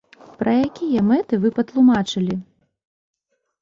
Пра якія мэты вы патлумачылі?!